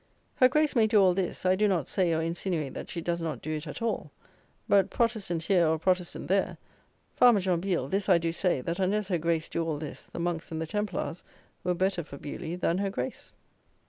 Her Grace may do all this; I do not say or insinuate that she does not do it all; but, Protestant here or Protestant there, farmer John Biel, this I do say, that unless her Grace do all this, the monks and the Templars were better for Beuley than her Grace.